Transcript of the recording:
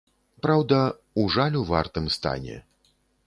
Праўда, у жалю вартым стане.